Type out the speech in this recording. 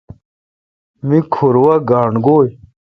می کھور وا کاݨ گوی۔